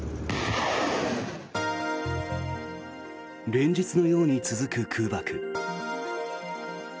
連日のように続く空爆。